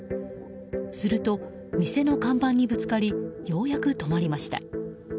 すると、店の看板にぶつかりようやく止まりました。